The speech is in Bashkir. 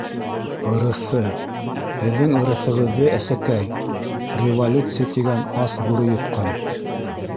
Ырыҫы... һеҙҙең ырыҫығыҙҙы, әсәкәй, р- революция тигән ас бүре йотҡан.